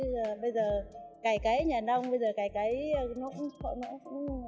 chứ bây giờ cày cấy nhà nông bây giờ cày cấy nhà nông